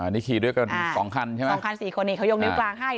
นี่ขี่ด้วยกัน๒คันใช่ไหม๒คัน๔คนนี้เขายกนิ้วกลางให้